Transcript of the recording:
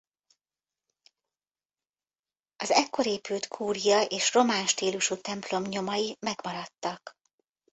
Az ekkor épült kúria és román stílusú templom nyomai megmaradtak.